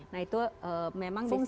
nah itu memang di sini